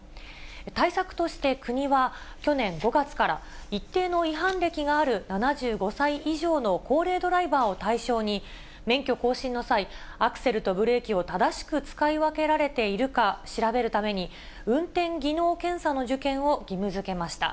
対策として国は、去年５月から、一定の違反歴がある７５歳以上の高齢ドライバーを対象に、免許更新の際、アクセルとブレーキを正しく使い分けられているか調べるために、運転技能検査の受検を義務づけました。